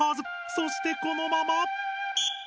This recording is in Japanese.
そしてこのまま。